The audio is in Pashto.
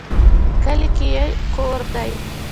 کلي کې یې کور دی